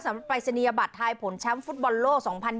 สำหรับไปเสนียบัตรไทยผลแชมป์ฟุตบอลโล่๒๐๒๒